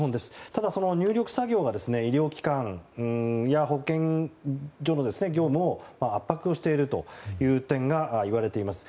ただ、入力作業は医療機関や保健所の業務を圧迫しているという点がいわれています。